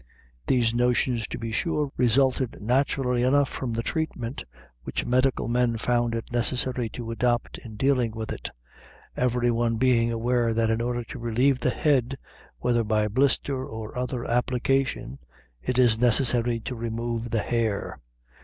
These notions, to be sure, resulted naturally enough from the treatment which medical men found it necessary to adopt in dealing with it every one being aware that in order to relieve the head, whether by blister or other application, it is necessary to remove the hair.